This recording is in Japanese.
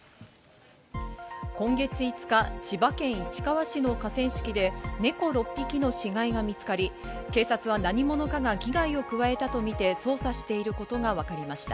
今月５日、千葉県市川市の河川敷で猫６匹の死骸が見つかり、警察は何者かが危害を加えたとみて捜査していることがわかりました。